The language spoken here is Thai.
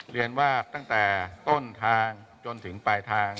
เรียนว่าตั้งแต่ต้นทางจนถึงปลายทาง